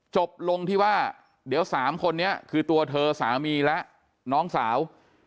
จบลงที่ว่าเดี๋ยว๓คนนี้คือตัวเธอสามีและน้องสาว